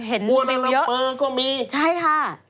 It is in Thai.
เห็นมิวเยอะบัวนรัมเปอร์ก็มีใช่ค่ะ